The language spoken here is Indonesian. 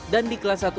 dan di kelas satu a